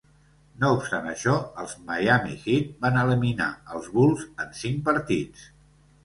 No obstant això, els Miami Heat van eliminar els Bulls en cinc partits.